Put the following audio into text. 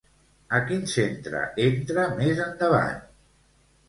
A quin centre entra més endavant?